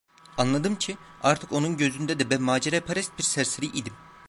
Anladım ki, artık onun gözünde de ben maceraperest bir serseri idim.